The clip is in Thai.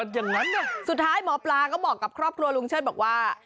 อย่างนั้นสุดท้ายหมอปลาก็บอกกับครอบครัวลุงเชิดบอกว่า